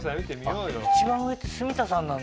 一番上って住田さんなんだ。